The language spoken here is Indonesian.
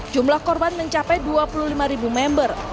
jumlah korban mencapai dua puluh lima member